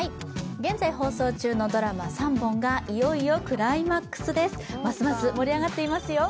現在放送中のドラマ３本がいよいよクライマックスです。